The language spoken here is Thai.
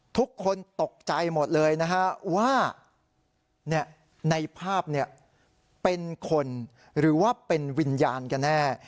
ทุกคนตกใจหมดเลยนะฮะว่าในภาพเป็นคนหรือว่าเป็นวิญญาณกันแน่